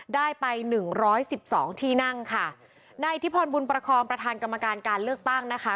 ได้ไป๑๑๒ที่นั่งค่ะนายที่พรบุญประคอมประธานกรรมการการเลือกตั้งนะคะ